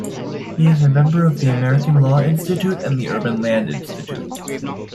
He is a member of the American Law Institute and the Urban Land Institute.